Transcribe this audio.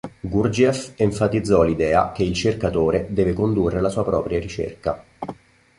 Gurdjieff enfatizzò l'idea che il cercatore deve condurre la sua propria ricerca.